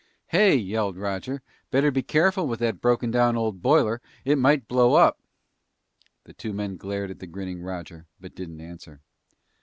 "Hey," yelled Roger, "better be careful with that broken down old boiler. It might blow up!" The two men glared at the grinning Roger but didn't answer.